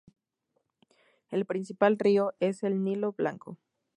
El principal río es el Nilo Blanco.